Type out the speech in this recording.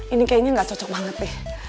ini kayaknya gak cocok banget nih